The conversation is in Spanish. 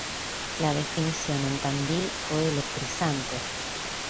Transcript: La definición en Tandil fue electrizante.